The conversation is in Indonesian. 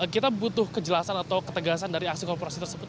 kita butuh kejelasan atau ketegasan dari aksi korporasi tersebut